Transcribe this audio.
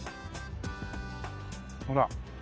ほら。